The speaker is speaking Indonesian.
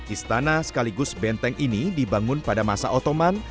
istana sekaligus benteng ini dibangun pada masa otoman